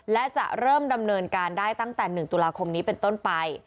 และจะเริ่มดำเนินการได้ตั้งแต่๑ตุลาคมนี้เป็นต้นไป